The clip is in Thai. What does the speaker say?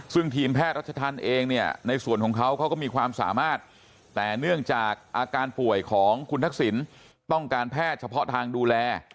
ซึ่งทีมแพทย์รัชธรรมเองเนี่ยในส่วนของเขาเขาก็มีความสามารถแต่เนื่องจากอาการป่วยของคุณทักษิณต้องการแพทย์เฉพาะทางดูแล